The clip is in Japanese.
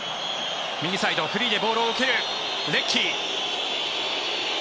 右サイドフリーでボールを受けるレッキー。